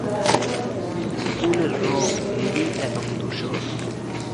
স্কুলের রঙ নেভি এবং ধূসর।